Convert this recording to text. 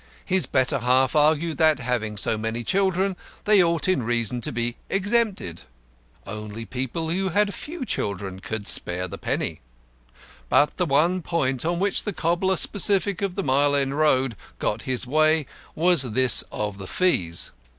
His better half argued that, having so many children, they ought in reason to be exempted. Only people who had few children could spare the penny. But the one point on which the cobbler sceptic of the Mile End Road got his way was this of the fees.